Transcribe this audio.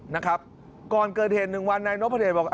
นะครับก่อนเกิดเหตุหนึ่งวันนายนพเดชบอก